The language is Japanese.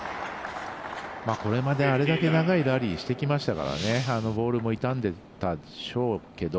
これまで、あれだけ長いラリーしてきましたからボールも傷んでるでしょうけど